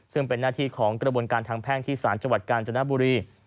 ซึ่งเป็นหน้าที่ของกระบวนการทางแพ่งที่ศาลจังหวัดกาญจนบุรี